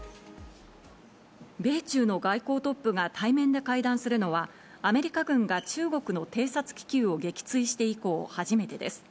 米中の外交トップが対面で会談するのは、アメリカ軍が中国の偵察気球を撃墜して以降初めてです。